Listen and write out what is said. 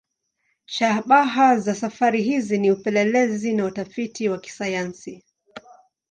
Shabaha ya safari hizi ni upelelezi na utafiti wa kisayansi.